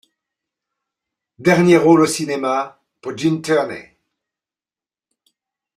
Dernier rôle au cinéma pour Gene Tierney.